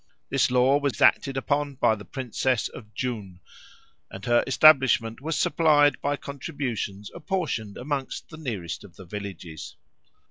This law was acted upon by the princess of Djoun, and her establishment was supplied by contributions apportioned amongst the nearest of the villages.